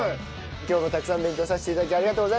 今日もたくさん勉強させて頂きありがとうございました！